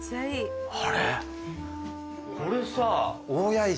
これさ。